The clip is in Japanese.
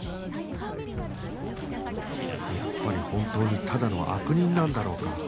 やっぱり本当にただの悪人なんだろうか？